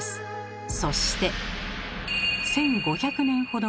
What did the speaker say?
そして。